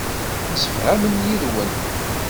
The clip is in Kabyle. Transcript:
Msefhamen yid-wen.